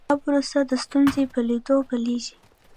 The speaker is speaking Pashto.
دا پروسه د ستونزې په لیدلو پیلیږي.